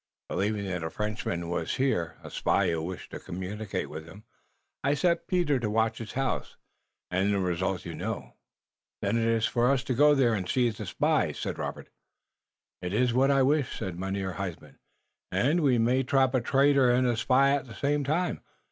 Believing that a Frenchman wass here, a spy who wished to communicate with him, I set Peter to watch his house, und the result you know." "Then it is for us to go there and seize this spy," said Robert. "It iss what I wish," said Mynheer Huysman, "und we may trap a traitor und a spy at the same time.